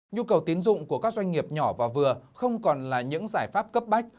nhu cầu tiến dụng của các doanh nghiệp nhỏ và vừa không còn là những giải pháp cấp bách